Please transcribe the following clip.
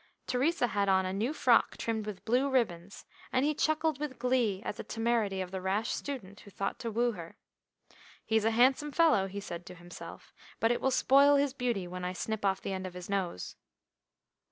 Theresa had on a new frock trimmed with blue ribbons, and he chuckled with glee at the temerity of the rash student who thought to woo her. "He's a handsome fellow," he said to himself, "but it will spoil his beauty when I snip off the end of his nose."